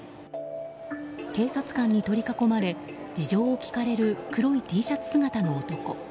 警察官に取り囲まれ事情を聴かれる黒いＴシャツ姿の男。